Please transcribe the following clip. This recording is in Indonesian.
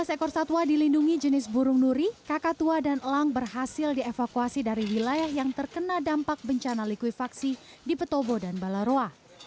tiga belas ekor satwa dilindungi jenis burung nuri kakak tua dan elang berhasil dievakuasi dari wilayah yang terkena dampak bencana likuifaksi di petobo dan balaroa